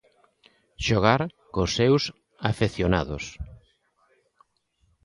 Xogar cos seus afeccionados.